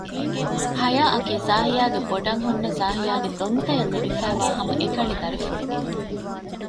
ހަޔާ އަކީ ޒާހިޔާގެ ބޮޑަށް ހުންނަ ޒާހިޔާގެ ދޮންތަ އަށް ލިބިފައިވާ ހަމަ އެކަނި ދަރިފުޅު